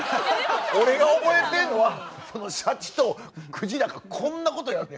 俺が覚えてんのはシャチとクジラがこんなことやるねん。